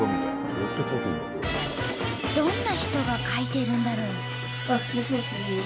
どんな人が描いてるんだろう？